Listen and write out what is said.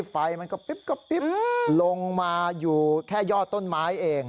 ไฟมันก็ปิ๊บลงมาอยู่แค่ยอดต้นไม้เอง